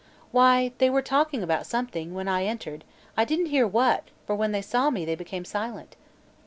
"Why, they were talking about something, when I entered; I didn't hear what, for when they saw me they became silent."